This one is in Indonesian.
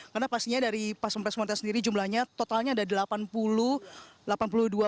karena pastinya dari pas pempres perempuan sendiri jumlahnya totalnya ada delapan puluh